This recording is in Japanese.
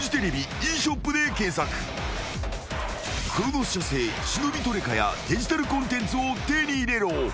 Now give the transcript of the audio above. ［クロノス社製忍トレカやデジタルコンテンツを手に入れろ］